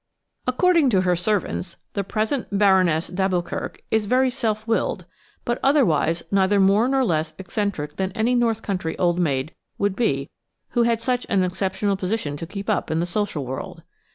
According to her servants, the present Baroness d'Alboukirk is very self willed, but otherwise neither more nor less eccentric than any north country old maid would be who had such an exceptional position to keep up in the social world.